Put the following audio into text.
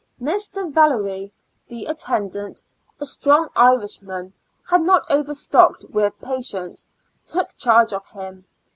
CD Mr. Yallerly, the attendant, a strong Irishman, and not overstocked with pa tience, took charge of him.